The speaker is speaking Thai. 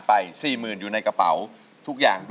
เพลงนี้สี่หมื่นบาทเอามาดูกันนะครับ